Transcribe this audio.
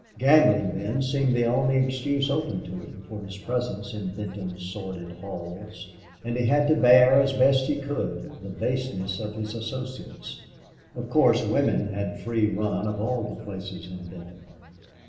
Gambling, then, seemed the only excuse open to him for his presence in Benton's sordid halls. And he had to bear as best he could the baseness of his associates; of course, women had free run of all the places in Benton.